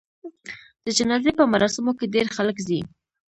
د جنازې په مراسمو کې ډېر خلک ځي.